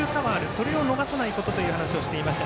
それを逃さないことという話をしていました。